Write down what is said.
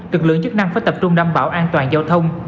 lực lượng chức năng phải tập trung đảm bảo an toàn giao thông